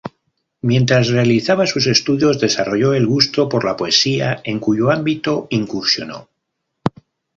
Mientras realizaba sus estudios, desarrolló el gusto por la poesía, en cuyo ámbito incursionó.